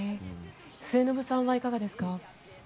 末延さんはいかがですか？